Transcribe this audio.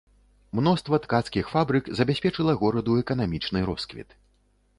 Мноства ткацкіх фабрык забяспечыла гораду эканамічны росквіт.